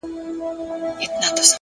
هره ورځ د نوې رڼا دروازه ده.